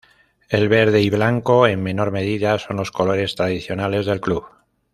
El verde y blanco, en menor medida, son los colores tradicionales del club.